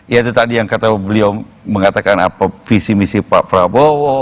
ya itu tadi yang kata beliau mengatakan apa visi misi pak prabowo